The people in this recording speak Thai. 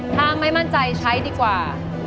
ถ้าไม่มั่นใจใช้ดีกว่า